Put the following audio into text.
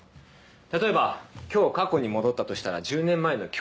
例えば今日過去に戻ったとしたら１０年前の今日に着く。